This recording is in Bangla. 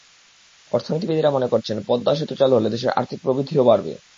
অর্থনীতিবিদেরা মনে করছেন, পদ্মা সেতু চালু হলে দেশের আর্থিক প্রবৃদ্ধিও বাড়বে।